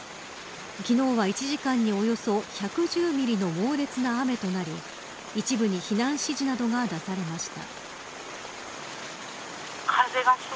昨日は１時間におよそ１１０ミリの猛烈な雨となり一部に避難指示などが出されました。